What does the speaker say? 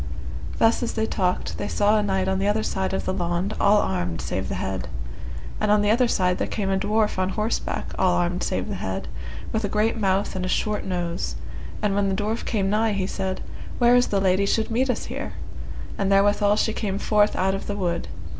Thus as they talked they saw a knight on the other side of the laund all armed save the head. And on the other side there came a dwarf on horseback all armed save the head, with a great mouth and a short nose; and when the dwarf came nigh he said, Where is the lady should meet us here? and therewithal she came forth out of the wood.